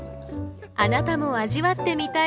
あなたも味わってみたい